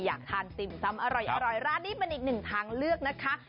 อยากทานติ่มซ้ำอร่อยร้านนี้เป็นอีกหนึ่งทางเลือกนะคะ